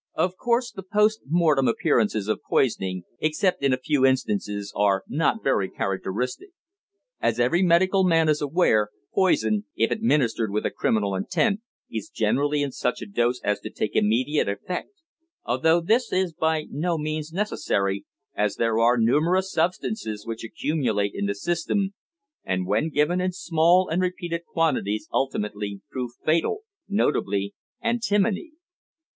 Of course, the post mortem appearances of poisoning, except in a few instances, are not very characteristic. As every medical man is aware, poison, if administered with a criminal intent, is generally in such a dose as to take immediate effect although this is by no means necessary, as there are numerous substances which accumulate in the system, and when given in small and repeated quantities ultimately prove fatal notably, antimony.